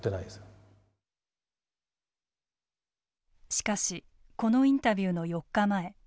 しかしこのインタビューの４日前。